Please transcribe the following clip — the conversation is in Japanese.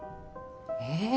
ええ？